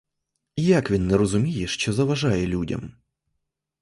Як він не розуміє, що заважає людям?